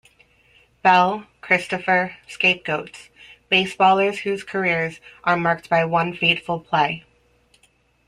Bell, Christopher, Scapegoats: Baseballers Whose Careers Are Marked by One Fateful Play.